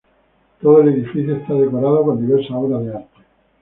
Todo el edificio está decorado con diversas obras de arte.